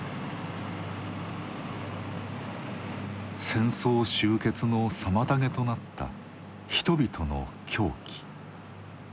戦争終結の妨げとなった「人々の狂気」。